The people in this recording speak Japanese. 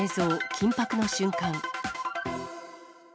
緊迫の瞬間。